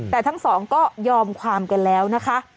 แต่ทั้งสองก็ยอมความกันแล้วนะคะ